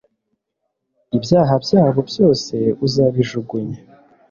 ibyaha byabo byose uzabijugunya